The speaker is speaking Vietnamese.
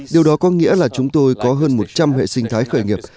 điều đó có nghĩa là chúng tôi có hơn một trăm linh hệ sinh thái khởi nghiệp